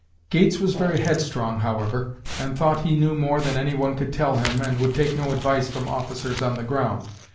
Gates was very headstrong, however, and thought he knew more than any one could tell him and would take no advice from officers on the ground.